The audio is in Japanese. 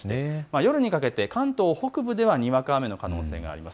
夜にかけて関東北部ではにわか雨の可能性があります。